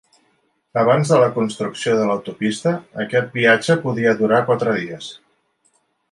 Abans de la construcció de l'autopista, aquest viatge podia durar quatre dies.